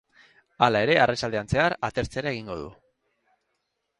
Hala ere, arratsaldean zehar atertzera egingo du.